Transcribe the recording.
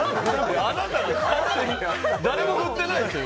誰も振ってないですよ。